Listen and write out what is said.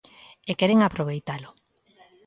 E queren aproveitalo.